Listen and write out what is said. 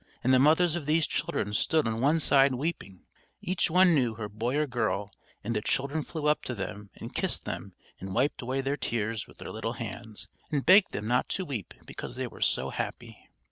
And the mothers of these children stood on one side weeping; each one knew her boy or girl, and the children flew up to them and kissed them and wiped away their tears with their little hands, and begged them not to weep because they were so happy.